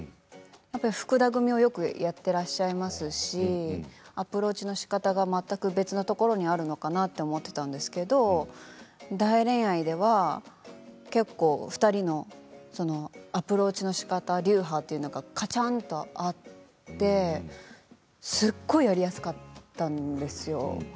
福田組をよくやっていらっしゃいますしアプローチのしかたが全く別のところにあるのかなと思っていたんですけれど「大恋愛」は結構２人のアプローチのしかた、流派というのがかちゃんと合ってすごくやりやすかったんですよね。